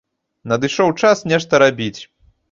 Надышоў час нешта рабіць.